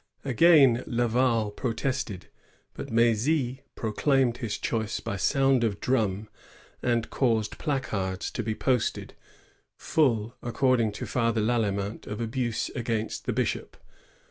Again Laval pro tested ; but M^zy proclaimed his choice by sound of drum, fi^d caused placards to be posted, full, accord ing to Father Lalemant, of abuse against the bishop.